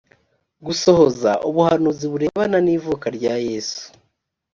gusohoza ubuhanuzi burebana n’ivuka rya yesu